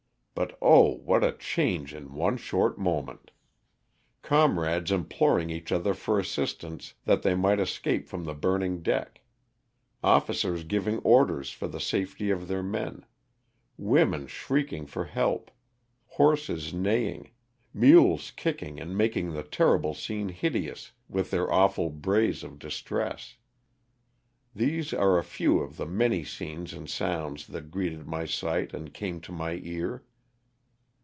But oh, what a change in one short moment ! Comrades imploring each other for assistance that they might escape from the burning deck ; officers giving orders for the safety of their men ; women shrieking for help ; horses neigh ing; mules kicking and making the terrible scene hideous with their awful brays of distress. These are a few of the many scenes and sounds that greeted my sight and came to my ear.